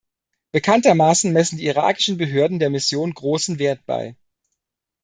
Bekanntermaßen messen die irakischen Behörden der Mission großen Wert bei.